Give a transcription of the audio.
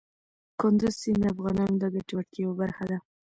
کندز سیند د افغانانو د ګټورتیا یوه برخه ده.